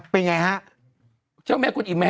เบลล่าเบลล่า